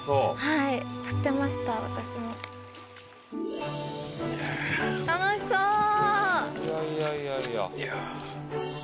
いやいやいや。